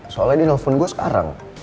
soalnya ini nelfon gue sekarang